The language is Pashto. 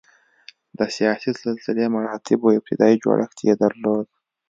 د سیاسي سلسله مراتبو ابتدايي جوړښت یې درلود.